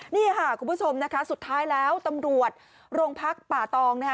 นี่ค่ะคุณผู้ชมนะคะสุดท้ายแล้วตำรวจโรงพักป่าตองนะคะ